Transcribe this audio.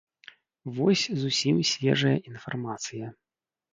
Вось зусім свежая інфармацыя.